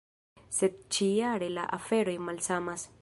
Sed ĉi-jare la aferoj malsamas.